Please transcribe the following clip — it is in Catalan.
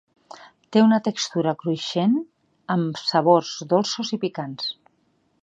Té una textura cruixent amb sabors dolços i picants.